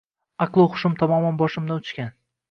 aql-u hushim tamoman boshimdan uchgan